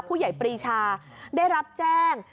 ผู้ใหญ่ปรีชาได้รับแจ้ง